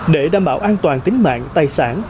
để đảm bảo an toàn tính mạng tài sản